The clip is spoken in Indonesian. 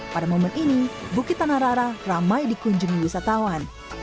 pada momen ini bukit tanarara ramai dikunjungi wisatawan